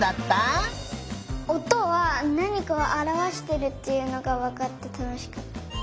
おとはなにかをあらわしてるっていうのがわかってたのしかった。